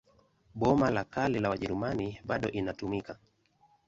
Boma la Kale la Wajerumani bado inatumika.